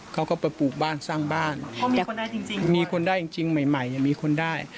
เขาก็ไปปลูกบ้านสร้างบ้านก็มีคนได้จริงจริงมีคนได้จริงจริงใหม่มีคนได้